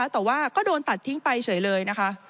แต่ว่าก็โดนตัดทิ้งไปเฉยเลยนะคะ